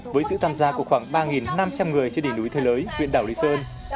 với sự tham gia của khoảng ba năm trăm linh người trên đỉnh núi thế lưới huyện đảo lý sơn